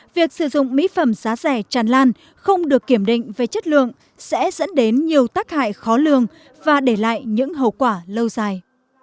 việc sử dụng mỹ phẩm giá rẻ tràn lan không được kiểm định về chất lượng sẽ dẫn đến nhiều tác hại khó lường và để lại những hậu quả lâu dài